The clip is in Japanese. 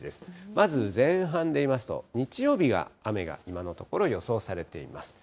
まず前半でいいますと、日曜日が雨が今のところ、予想されています。